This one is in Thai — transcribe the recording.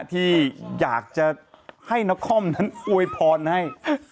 ที่อยากจะให้นครนั้นอวยพรให้